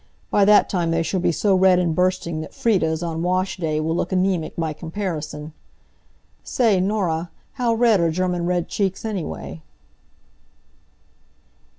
By that time they shall be so red and bursting that Frieda's, on wash day, will look anemic by comparison. Say, Norah, how red are German red cheeks, anyway?"